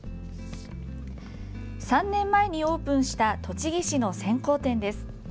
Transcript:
３年前にオープンした栃木市の線香店です。